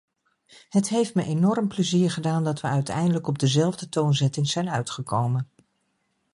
Het heeft me enorm plezier gedaan dat we uiteindelijk op dezelfde toonzetting zijn uitgekomen.